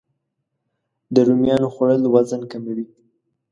د رومیانو خوړل وزن کموي